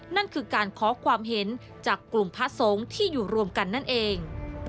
นั่นคือการขอความเห็นจากกลุ่มพระสงฆ์ที่อยู่รวมกันนั่นเอง